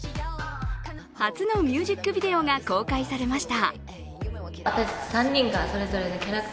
初のミュージックビデオが公開されました。